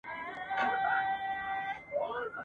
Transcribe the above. جهاني لرم په زړه کي لویه خدایه یوه هیله !.